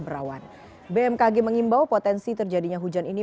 paling paling untuk penerbangan di dalam mobil